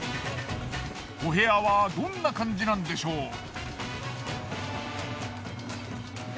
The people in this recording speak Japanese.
お部屋はどんな感じなんでしょう。